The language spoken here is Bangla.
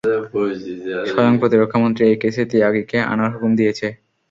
স্বয়ং প্রতিরক্ষা মন্ত্রী এই কেসে তিয়াগিকে আনার হুকুম দিয়েছে।